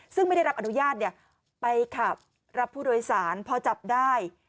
ซึ่งไม่ได้รับอนุญาตไปขับรับผู้โดยสารพอจับได้